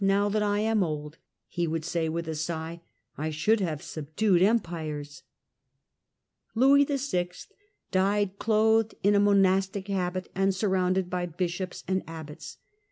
105 now that I am old," he would say with a sigh, " I should have suhdued empires !" Louis VI. died clothed in a monastic habit and sur rounded by bishops and abbots.